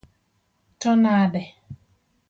To nade?